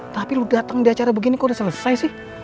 tapi lu datang di acara begini kok udah selesai sih